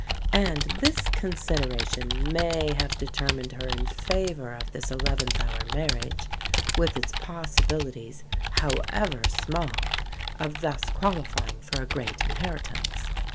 And this consideration may have determined her in favour of this eleventh hour marriage, with its possibilities, however small, of thus qualifying for a great inheritance.